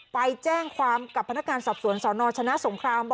ไปแจ้งความกับพนักการณ์สับสนสเอร์นอวยชนะสงคราม